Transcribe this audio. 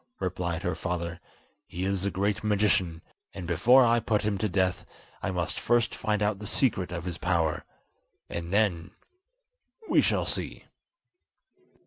replied her father, "he is a great magician, and before I put him to death, I must first find out the secret of his power, and then—we shall see."